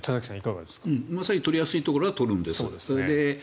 まさに取りやすいところから取るんです。